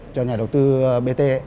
cho nhà đầu tư bt